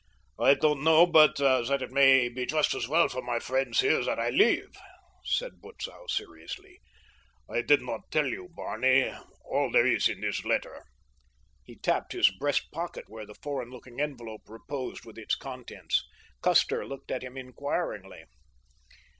"I don't know but that it may be just as well for my friends here that I leave," said Butzow seriously. "I did not tell you, Barney, all there is in this letter"—he tapped his breastpocket, where the foreign looking envelope reposed with its contents. Custer looked at him inquiringly.